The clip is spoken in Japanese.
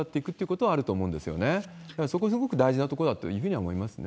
やはりそこすごく大事なところだというふうに思いますね。